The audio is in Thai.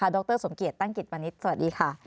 ดรสมเกียจตั้งกิจวันนี้สวัสดีค่ะ